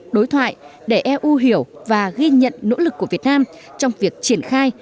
đối thoại để eu hiểu và ghi nhận nỗ lực của việt nam trong việc triển khai